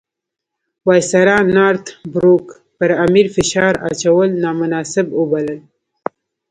وایسرا نارت بروک پر امیر فشار اچول نامناسب وبلل.